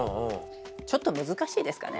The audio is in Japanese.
ちょっと難しいですかね。